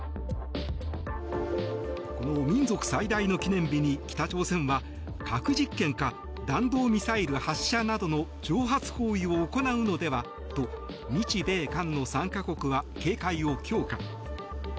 この民族最大の記念日に北朝鮮は、核実験か弾道ミサイル発射などの挑発行為を行うのではと日米韓の３か国は警戒を強化。